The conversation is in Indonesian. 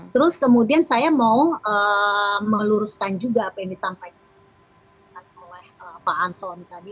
terus kemudian saya mau meluruskan juga apa yang disampaikan oleh pak anton tadi